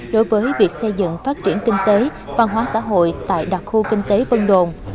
đối với việc xây dựng phát triển kinh tế văn hóa xã hội tại đặc khu kinh tế vân đồn